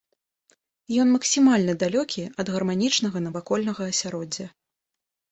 Ён максімальна далёкі ад гарманічнага навакольнага асяроддзя.